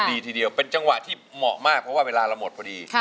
ทีเดียวเป็นจังหวะที่เหมาะมากเพราะว่าเวลาเราหมดพอดี